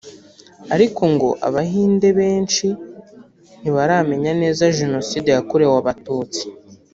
ariko ngo Abahinde benshi ntibaramenya neza Jenoside yakorewe Abatutsi